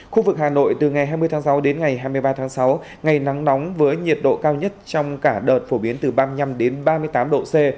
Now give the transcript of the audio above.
khu vực hà nội từ ngày hai mươi tháng sáu đến ngày hai mươi ba tháng sáu ngày nắng nóng với nhiệt độ cao nhất trong cả đợt phổ biến từ ba mươi năm ba mươi tám độ c